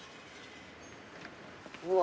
うわ。